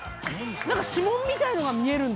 指紋みたいのが見える。